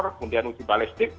kemudian uji balistik